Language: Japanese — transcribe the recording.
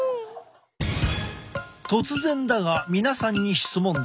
突然だが皆さんに質問だ。